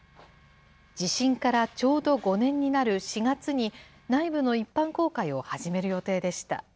地震からちょうど５年になる４月に、内部の一般公開を始める予定でした。